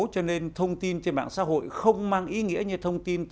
cho nên thông tin trên mạng xã hội không mang ý nghĩa như thông tin